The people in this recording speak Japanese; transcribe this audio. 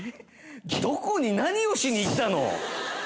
どこに何をしに行ったの？